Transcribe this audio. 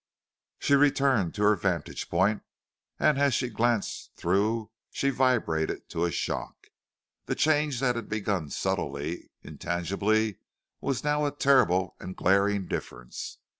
She returned to her vantage point, and as she glanced through she vibrated to a shock. The change that had begun subtly, intangibly, was now a terrible and glaring difference.